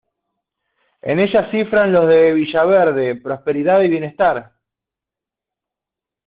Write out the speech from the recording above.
En ella cifran los de villaverde prosperidad y bienestar.